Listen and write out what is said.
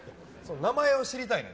名前を知りたいねん。